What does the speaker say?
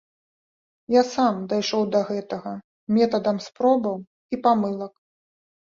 Я сам дайшоў да гэтага метадам спробаў і памылак.